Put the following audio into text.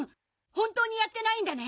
本当にやってないんだね？